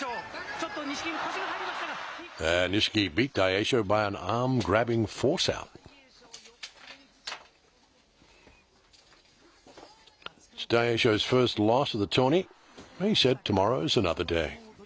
ちょっと錦木、腰が入りましたが、ひっかけ。